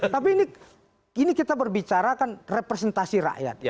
tapi ini kita berbicara kan representasi rakyat